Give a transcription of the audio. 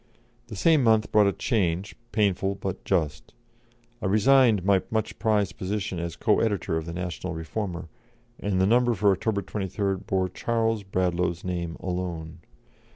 This same month brought a change, painful but just: I resigned my much prized position as co editor of the National Reformer, and the number for October 23rd bore Charles Bradlaugh's name alone.